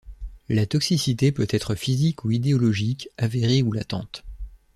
La toxicité peut être physique ou idéologique, avérée ou latente.